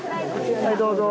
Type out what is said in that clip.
はいどうぞ。